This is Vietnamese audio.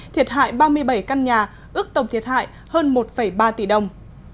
thiệt hại ba mươi bảy căn nhà ước tổng thiệt hại hơn một ba tỷ đồng